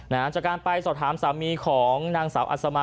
จากการไปสอบถามสามีของนางสาวอัศมา